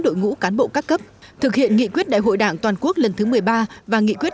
đội ngũ cán bộ các cấp thực hiện nghị quyết đại hội đảng toàn quốc lần thứ một mươi ba và nghị quyết